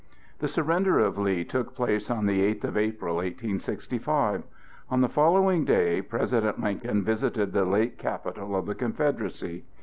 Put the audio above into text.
The surrender of Lee took place on the eighth of April, 1865. On the following day President Lincoln visited the late capital of the Confederacy.